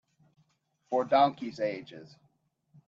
For donkeys' ages.